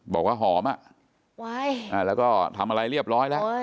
บอกว่าหอมแล้วก็ทำอะไรเรียบร้อยแล้ว